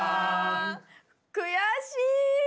悔しい。